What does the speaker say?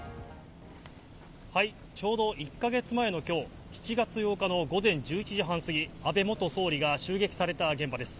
ちょうど１か月前の今日、７月８日の午前１１時半すぎ、安倍元総理が襲撃された現場です。